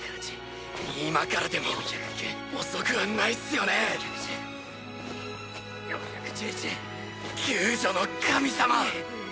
今からでも遅くはないすよね救助の神様